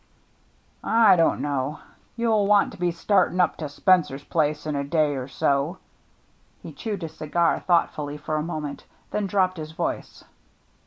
" I don't know. You'll want to be start ing up to Spencer's place in a day or so." He chewed his cigar thoughtfully for a mo ment, then dropped his voice.